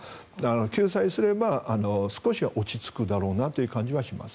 救済すれば少しは落ち着くだろうなという感じはします。